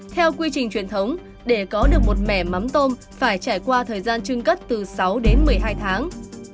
theo quy trình truyền thống để có được một mẻ mắm tôm phải trải qua thời gian trưng cất từ sáu đến một mươi hai tháng